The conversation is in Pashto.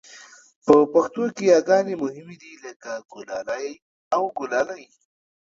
په پښتو کې یاګانې مهمې دي لکه ګلالی او ګلالۍ